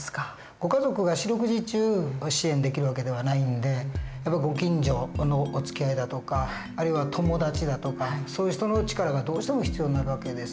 ご家族が四六時中支援できる訳ではないんでご近所のおつきあいだとかあるいは友達だとかそういう人の力がどうしても必要になる訳です。